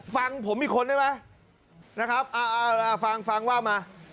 ฟังผมอีกคนได้ไหมฟังว่ามา